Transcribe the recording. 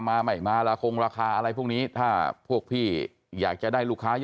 มาไม่มาละคงราคาอะไรพวกนี้ถ้าพวกพี่อยากจะได้ลูกค้าเยอะ